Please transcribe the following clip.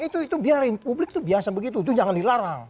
itu biarin publik itu biasa begitu itu jangan dilarang